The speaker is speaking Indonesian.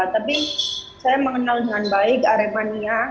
tapi saya mengenal dengan baik aremania